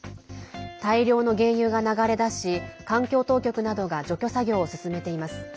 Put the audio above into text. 大量の原油が流れ出し環境当局などが除去作業を進めています。